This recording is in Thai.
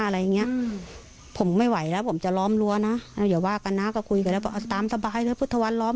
แต่ก็ไม่คิดเลยว่าทำไมต้องมาไล่ฆ่าคนอื่นฆ่าพ่อตาฆ่าแม่ยายแบบนี้มาก่อน